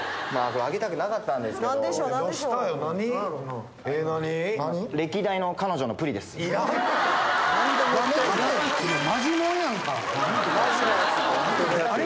あげたくなかったんですが。